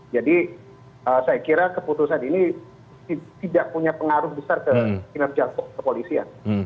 jadi saya kira keputusan ini tidak punya pengaruh besar ke kinerja kepolisian